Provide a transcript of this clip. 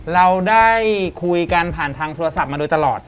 เราได้คุยกันผ่านทางโทรศัพท์มาโดยตลอด